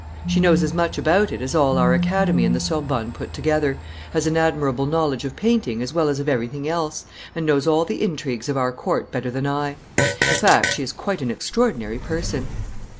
She knows as much about it as all our Academy and the Sorbonne put together, has an admirable knowledge of painting as well as of everything else, and knows all the intrigues of our court better than I. In fact, she is quite an extraordinary person."